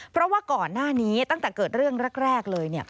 เพราะว่าก่อนหน้านี้ตั้งแต่เกิดเรื่องแรกเลย